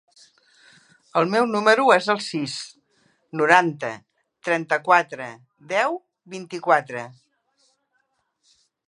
El meu número es el sis, noranta, trenta-quatre, deu, vint-i-quatre.